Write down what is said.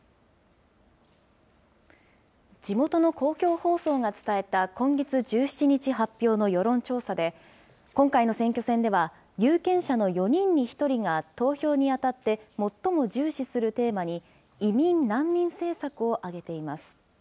地元の公共放送が伝えた今月１７日発表の世論調査で、今回の選挙戦では有権者の４人に１人が投票にあたって最も重視するテーマに、移民・難民政策を挙げています。